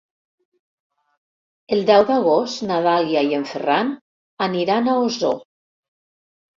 El deu d'agost na Dàlia i en Ferran aniran a Osor.